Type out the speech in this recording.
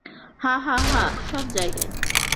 হ্যাঁ, হ্যাঁ, সব জায়গায়।